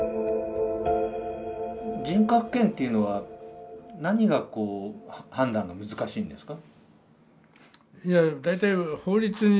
人格権というのは何がこう判断が難しいんですか？